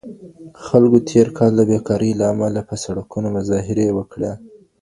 خلګو تېر کال د بيکارۍ له امله په سړکونو مظاهرې وکړې.